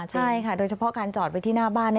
ใช่ค่ะโดยเฉพาะการจอดไว้ที่หน้าบ้าน